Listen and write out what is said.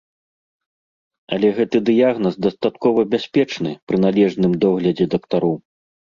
Але гэты дыягназ дастаткова бяспечны пры належным доглядзе дактароў.